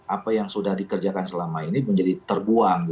apa yang sudah dikerjakan selama ini menjadi terbuang